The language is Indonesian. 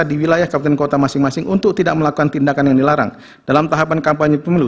di wilayah kabupaten kota masing masing untuk tidak melakukan tindakan yang dilarang dalam tahapan kampanye pemilu